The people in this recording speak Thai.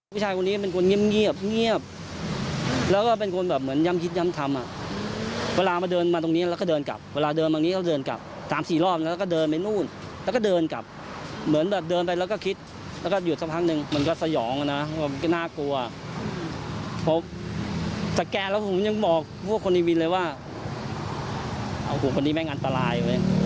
ผู้ชายคนนี้เป็นคนเงียบเงียบแล้วก็เป็นคนแบบเหมือนย้ำคิดย้ำทำอ่ะเวลามาเดินมาตรงนี้แล้วก็เดินกลับเวลาเดินตรงนี้ก็เดินกลับ๓๔รอบแล้วก็เดินไปนู่นแล้วก็เดินกลับเหมือนแบบเดินไปแล้วก็คิดแล้วก็หยุดสักพักหนึ่งมันก็สยองนะมันก็น่ากลัวเพราะสแกนแล้วผมยังบอกพวกคนในวินเลยว่าเอาผมคนนี้แม่งอันตราย